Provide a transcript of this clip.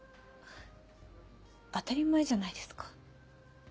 当たり前じゃないですか。